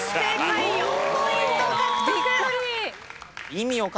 ４ポイント獲得。